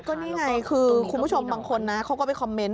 ก็นี่ไงคือคุณผู้ชมบางคนนะเขาก็ไปคอมเมนต